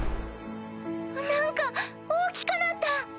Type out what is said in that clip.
何か大きくなった！